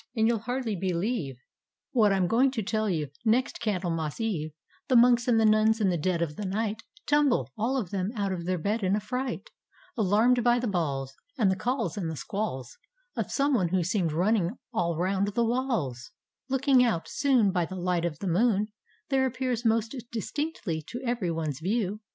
and you'll hardly believe What I'm going to tell you, — next Candlemas Eve The Monks and the Nuns in the dead of the night Tumble, all of them, out of their bed in afEright, Alarm'd by the bawls, And the calls and the squalls Of some one who seemed running all round the walls I Looking out, soon By the light of the moon There appears most distinctly to ev'ry one's view.